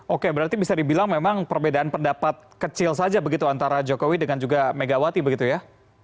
oke berarti bisa dibilang memang perbedaan pendapat kecil saja begitu antara jokowi dengan juga megawati begitu ya